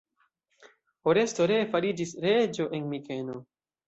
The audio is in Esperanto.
Oresto ree fariĝis reĝo en Mikeno.